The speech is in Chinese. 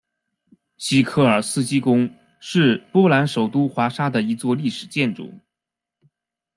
西科尔斯基宫是波兰首都华沙的一座历史建筑。